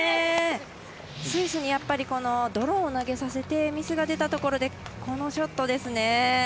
スイスにやっぱりドローを投げさせてミスが出たところでこのショットですね。